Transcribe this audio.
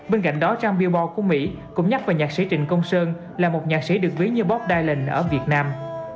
bên cạnh đó trang billboard của mỹ cũng nhắc về nhạc sĩ trịnh công sơn là một nhạc sĩ được viến như bob dylan ở việt nam